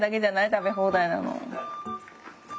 食べ放題なの。